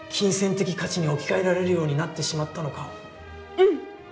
うん。